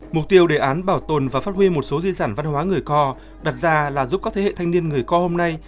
mục tiêu đề án bảo tồn và phát huy một số di sản văn hóa người co đặt ra là giúp các thế hệ thanh niên người co hôm nay